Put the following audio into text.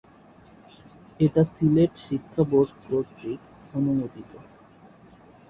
এটি সিলেট শিক্ষা বোর্ড কর্তৃক অনুমোদিত।